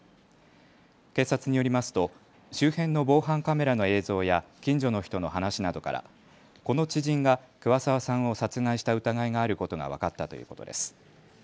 警察によりますと周辺の防犯カメラの映像や近所の人の話などからこの知人が桑沢さんを殺害した疑いがあることが分かったということです。